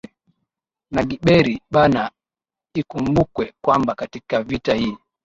na Gberi Bana Ikumbukwe kwamba katika vita hii